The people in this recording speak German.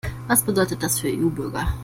Was bedeutet das für EU-Bürger?